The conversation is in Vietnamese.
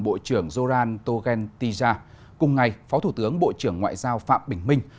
bộ trưởng zoran togentija cùng ngày phó thủ tướng bộ trưởng ngoại giao phạm bình minh